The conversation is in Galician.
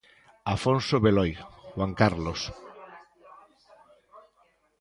Afonso Beloi, Juan Carlos.